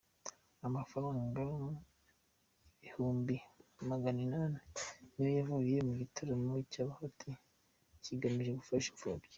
Amafaranga Ibuhumbi Maganinani niyo yavuye mu gitaramo cya Bahati ekigamije gufasha impfubyi